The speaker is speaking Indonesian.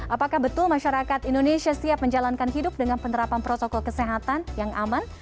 apakah betul masyarakat indonesia siap menjalankan hidup dengan penerapan protokol kesehatan yang aman